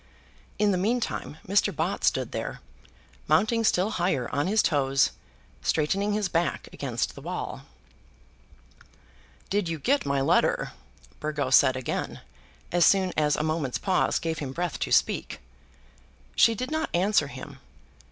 In the meantime Mr. Bott stood there, mounting still higher on his toes, straightening his back against the wall. "Did you get my letter?" Burgo said again, as soon as a moment's pause gave him breath to speak. She did not answer him.